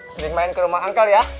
sering main ke rumah angkle ya